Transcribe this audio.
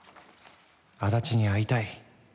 安達に会いたい。